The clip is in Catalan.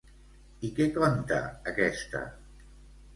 I què conta aquesta?